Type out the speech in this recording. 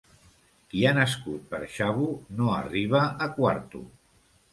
Qui ha nascut per xavo no arriba a quarto.